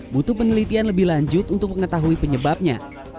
butuh penelitian lebih lanjut untuk mengetahui penyebabnya